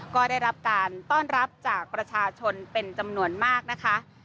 ก็ได้รับการต้อนรับจากประชาชนเป็นจำนวนมากนะคะ